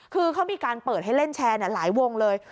คือเขามีการเปิดให้เล่นแชร์หลายวงเลย